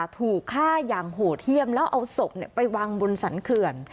ถูกฆ่าอย่างโหดเยี่ยมแล้วเอาศพไปวางบนสรรเขื่อน